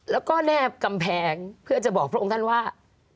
แล้วก็แนบกำแพงเพื่อจะบอกพระองค์ท่านว่า